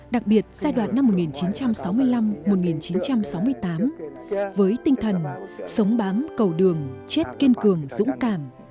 đặc biệt giai đoạn năm một nghìn chín trăm sáu mươi năm một nghìn chín trăm sáu mươi tám với tinh thần sống bám cầu đường chết kiên cường dũng cảm